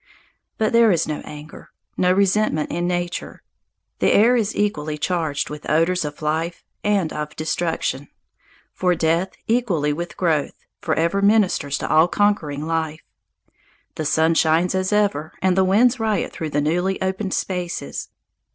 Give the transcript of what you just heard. But there is no anger, no resentment in nature. The air is equally charged with the odours of life and of destruction, for death equally with growth forever ministers to all conquering life. The sun shines as ever, and the winds riot through the newly opened spaces.